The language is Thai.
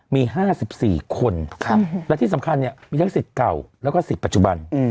มี๕๔คนและที่สำคัญเนี่ยมีทั้งสิทธิ์เก่าแล้วก็สิทธิ์ปัจจุบัน